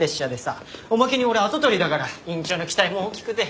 おまけに俺跡取りだから院長の期待も大きくて。